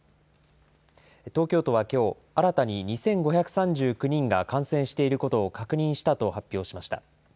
東京都はきょう、新たに２５３９人が感染していることを確認したと発表しました。